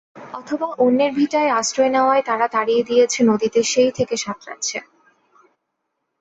অথবা অন্যের ভিটায় আশ্রয় নেওয়ায় তারা তাড়িয়ে দিয়েছে নদীতে সেই থেকে সাঁতরাচ্ছে।